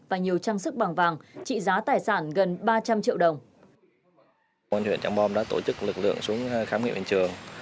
và nhiều trang sức bằng vàng trị giá tài sản gần ba trăm linh triệu đồng